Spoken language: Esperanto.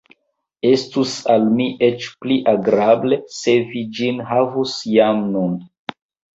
Estus al mi eĉ pli agrable, se vi ĝin havus jam nun.